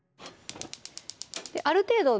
ある程度ね